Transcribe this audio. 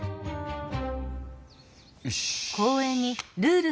よし！